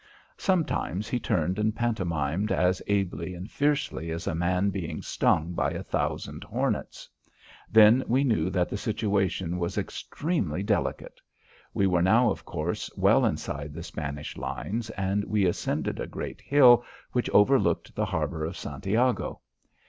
Sometimes he turned and pantomimed as ably and fiercely as a man being stung by a thousand hornets. Then we knew that the situation was extremely delicate. We were now of course well inside the Spanish lines and we ascended a great hill which overlooked the harbour of Santiago.